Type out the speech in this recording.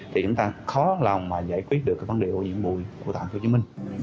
thì chúng ta khó lòng giải quyết được vấn đề ôn nhiễm bụi tp hcm